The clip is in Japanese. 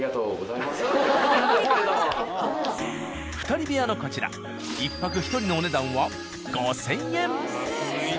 ２人部屋のこちら１泊１人のお値段は安い。